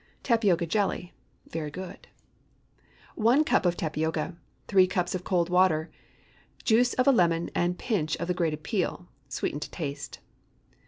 TAPIOCA JELLY. ✠ (Very good.) 1 cup of tapioca. 3 cups of cold water. Juice of a lemon, and a pinch of the grated peel. Sweeten to taste.